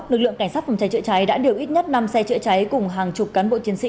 lực lượng cảnh sát phòng cháy chữa cháy đã điều ít nhất năm xe chữa cháy cùng hàng chục cán bộ chiến sĩ